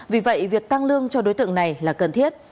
vì vậy việc tăng lương cho đối tượng này là cần thiết